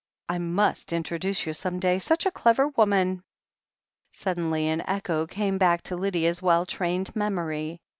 I must introduce you some day. Such a clever woman !" Suddenly an echo came back to Lydia's well trained memory.